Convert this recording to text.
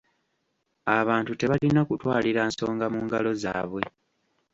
Abantu tebalina kutwalira nsonga mu ngalo zaabwe.